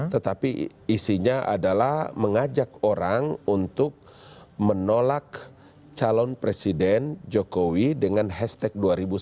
tetapi isinya adalah mengajak orang untuk menolak calon presiden jokowi dengan hashtag dua ribu sembilan belas